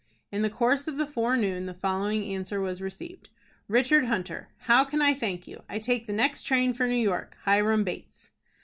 In the course of the forenoon, the following answer was received: "RICHARD HUNTER. "How can I thank you! I take the next train for New York. "HIRAM BATES."